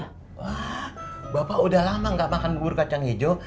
wah bapak udah lama nggak makan bubur kacang ijo